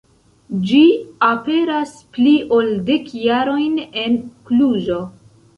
Ĝi aperas pli ol dek jarojn en Kluĵo.